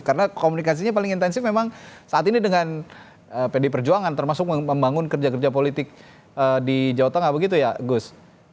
karena komunikasinya paling intensif memang saat ini dengan pdi perjuangan termasuk membangun kerja kerja politik di jawa tengah begitu ya gus